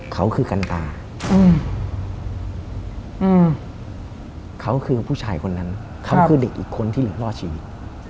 เขาคือกันตาเขาคือผู้ชายคนนั้นเขาคือเด็กอีกคนที่เหลือรอดชีวิต